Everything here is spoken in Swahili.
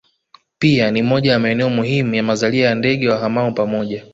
Pia ni moja ya maeneo muhimu ya mazalia ya ndege wahamao pamoja